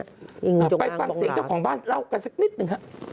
งูจงางบ่งหลาอ่ะไปฟังเสียงเจ้าของบ้านเล่ากันสักนิดหนึ่งครับ